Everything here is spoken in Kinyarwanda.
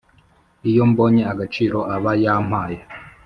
Iyo mbonye agaciro aba yampaye